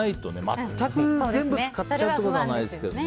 全く全部使っちゃうってことはないですけどね。